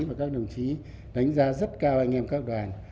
và các đồng chí đánh giá rất cao anh em các đoàn